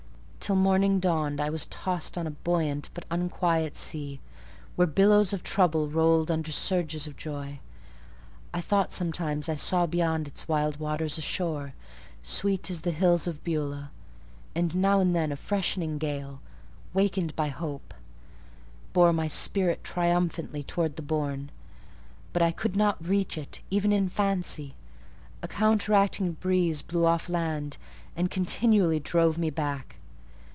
Till morning dawned I was tossed on a buoyant but unquiet sea, where billows of trouble rolled under surges of joy. I thought sometimes I saw beyond its wild waters a shore, sweet as the hills of Beulah; and now and then a freshening gale, wakened by hope, bore my spirit triumphantly towards the bourne: but I could not reach it, even in fancy—a counteracting breeze blew off land, and continually drove me back.